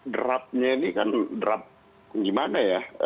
drapnya ini kan drap gimana ya